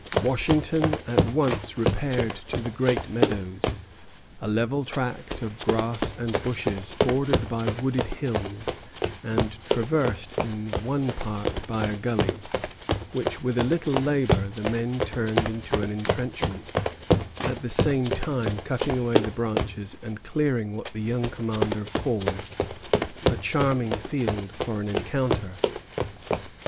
Washington at once repaired to the Great Meadows, a level tract of grass and bushes, bordered by wooded hills, and traversed in one part by a gully, which with a little labor the men turned into an entrenchment, at the same time cutting away the bushes and clearing what the young commander called "a charming field for an encounter."